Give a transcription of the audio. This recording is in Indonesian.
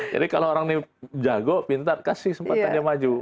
jadi kalau orang ini jago pintar kasih sempat tanya maju